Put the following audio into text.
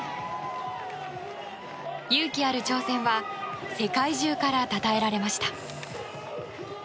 勇気ある挑戦は世界中からたたえられました。